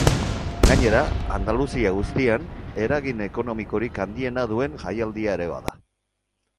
Gainera, Andaluzia guztian eragin ekonomikorik handiena duen jaialdia ere bada.